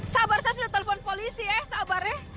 sabar saya sudah telepon polisi ya sabarnya